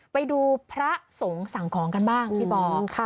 ไปดูพระสงฆ์สั่งของกันบ้างพี่บอล